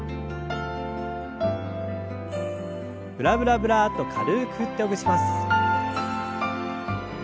ブラブラブラッと軽く振ってほぐします。